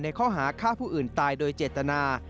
ข้อหาฆ่าผู้อื่นตายโดยเจตนา